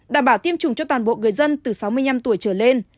đảm bảo tiêm chủng cho toàn bộ người dân từ sáu mươi năm tuổi trở lên